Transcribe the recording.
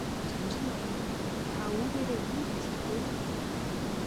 Жанжин ноён та үүгээрээ юу хэлэх гээв?